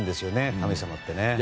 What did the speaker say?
神様って。